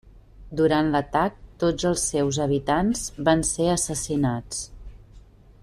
Durant l'atac tots els seus habitants van ser assassinats.